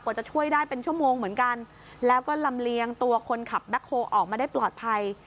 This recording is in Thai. จะช่วยได้เป็นชั่วโมงเหมือนกันแล้วก็ลำเลียงตัวคนขับแบ็คโฮออกมาได้ปลอดภัย